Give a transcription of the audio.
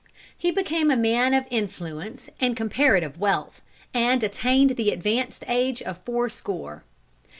He became a man of influence and comparative wealth, and attained the advanced age of fourscore.